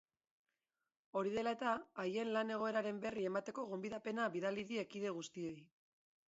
Hori dela eta, haien lan-egoeraren berri emateko gonbidapena bidali die kide guztiei.